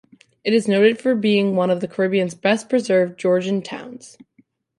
It is noted for being one of the Caribbean's best-preserved Georgian towns.